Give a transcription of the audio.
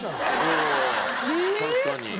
確かに。